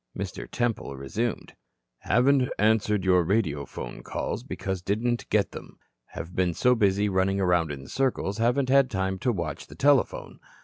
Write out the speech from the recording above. Mr. Temple resumed: "Haven't answered your radiophone calls because didn't get them. Have been so busy running around in circles, haven't had time to watch the telephone.